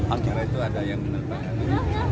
akhirnya itu ada yang menerbangkannya